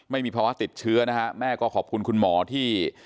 ไม่มีภาวะติดเชื้อนะฮะแม่ก็ขอบคุณคุณหมอที่